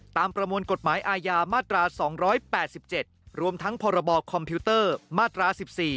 ประมวลกฎหมายอาญามาตรา๒๘๗รวมทั้งพรบคอมพิวเตอร์มาตรา๑๔